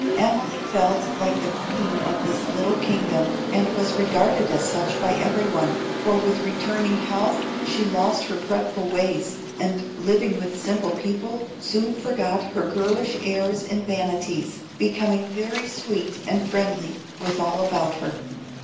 Emily felt like the queen of this little kingdom, and was regarded as such by every one, for with returning health she lost her fretful ways, and living with simple people, soon forgot her girlish airs and vanities, becoming very sweet and friendly with all about her.